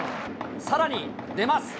さらに出ます。